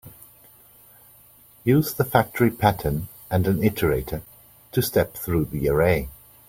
Use the factory pattern and an iterator to step through the array.